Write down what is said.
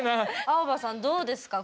アオバさんどうですか？